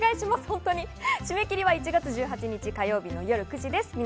締め切りは１月１８日火曜日の夜９時です。